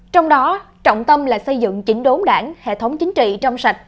trong đó trọng tâm là xây dựng chỉnh đốn đảng hệ thống chính trị trong sạch